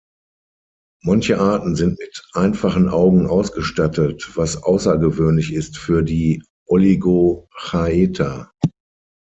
Manche Arten sind mit einfachen Augen ausgestattet, was außergewöhnlich ist für die Oligochaeta.